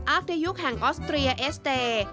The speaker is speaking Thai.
เดยุคแห่งออสเตรียเอสเตย์